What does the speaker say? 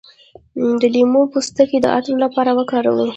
د لیمو پوستکی د عطر لپاره وکاروئ